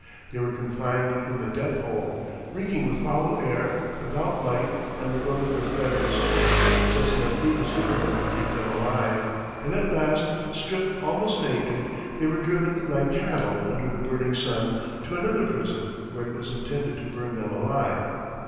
They were confined in the "death hole," reeking with foul air, without light, and were loaded with fetters. Just enough food was given them to keep them alive, and at last, stripped almost naked, they were driven like cattle under the burning sun, to another prison, where it was intended to burn them alive.